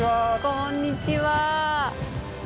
こんにちは。